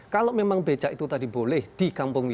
kalau memang becak itu tadi boleh di kampung ini